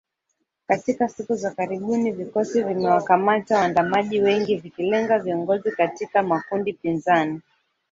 Katika siku za karibuni vikosi vimewakamata waandamanaji wengi vikilenga viongozi katika makundi pinzani